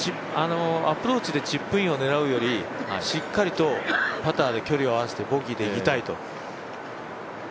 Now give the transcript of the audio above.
アプローチでチップインを狙うよりしっかりと、パターで距離を合わせてボギーでいきたいと。